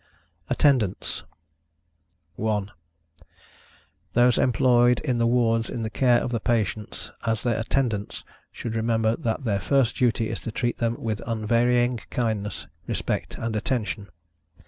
ATTENDANTS. 1. Those employed in the wards in the care of the patients, as their Attendants, should remember that their first duty is to treat them with unvarying kindness, respect and attention.